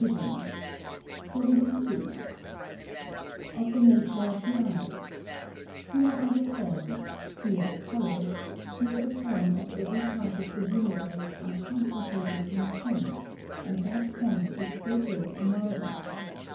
[Sidenote: Vision] 72. Of the nature of the eye. Here are the forms, here the colours, here the form of every part of the universe are concentrated in a point, and that point is so great a marvel!